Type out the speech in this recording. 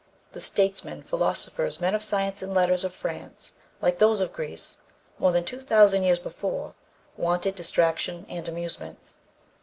The statesmen, philosophers, men of science and letters of France, like those of Greece more than two thousand years before, wanted distraction and amusement.